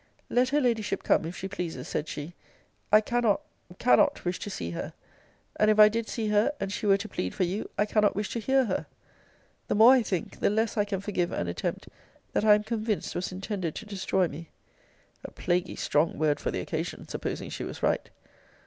] Let her Ladyship come, if she pleases, said she, I cannot, cannot, wish to see her; and if I did see her, and she were to plead for you, I cannot wish to hear her! The more I think, the less I can forgive an attempt, that I am convinced was intended to destroy me. [A plaguy strong word for the occasion, supposing she was right!